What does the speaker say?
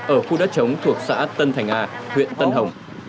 ở khu đất chống thuộc xã tân thành a huyện tân hồng